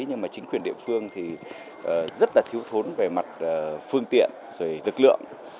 nhưng mà chính quyền địa phương thì rất là thiếu thốn về mặt phương tiện rồi lực lượng